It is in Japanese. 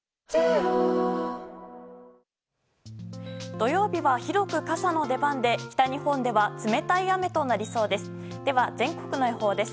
土曜日は広く傘の出番で北日本では冷たい雨となりそうです。